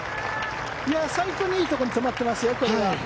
最高にいいところに止まってますよ、これは。